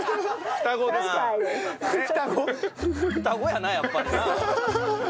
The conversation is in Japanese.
双子やなやっぱりな。